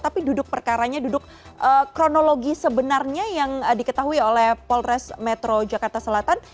tapi duduk perkaranya duduk kronologi sebenarnya yang diketahui oleh polres metro jakarta selatan